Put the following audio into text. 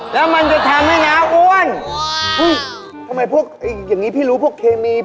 แล้วมันจะแปลกเป็นอะไร